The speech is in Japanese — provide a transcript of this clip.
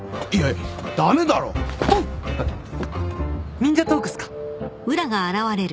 忍者トークっすか？